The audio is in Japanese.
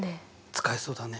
使えそうだね。